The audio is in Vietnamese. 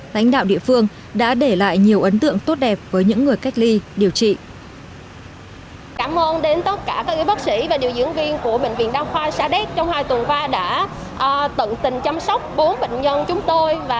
lãnh đạo địa phương đã để lại nhiều ấn tượng tốt đẹp với những người cách ly điều trị